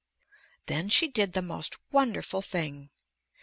Then she did the most wonderful thing.